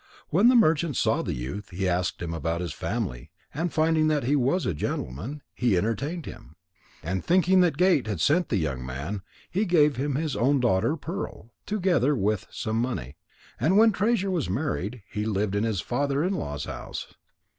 When the merchant saw the youth, he asked him about his family, and finding that he was a gentleman, he entertained him. And thinking that Gate had sent the young man, he gave him his own daughter Pearl, together with some money. And when Treasure was married, he lived in his father in law's house.